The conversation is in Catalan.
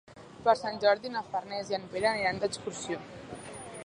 Per Sant Jordi na Farners i en Pere aniran d'excursió.